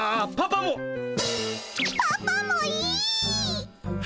パパもいいっ！